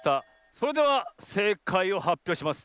それではせいかいをはっぴょうします。